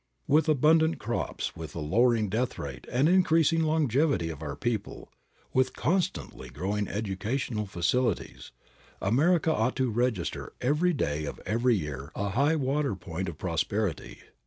With abundant crops, with a lowering death rate and increasing longevity of our people, with constantly growing educational facilities, America ought to register every day of every year a high water point of prosperity.